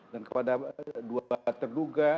dan kepada dua bapak terduga